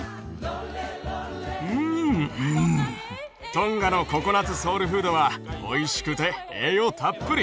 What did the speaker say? トンガのココナツソウルフードはおいしくて栄養たっぷり。